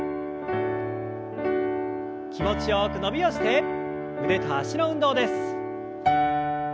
気持ちよく伸びをして腕と脚の運動です。